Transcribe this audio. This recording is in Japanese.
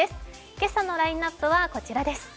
今朝のラインナップはこちらです。